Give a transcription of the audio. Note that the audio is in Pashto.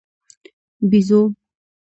🐒بېزو